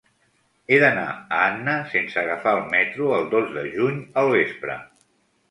He d'anar a Anna sense agafar el metro el dos de juny al vespre.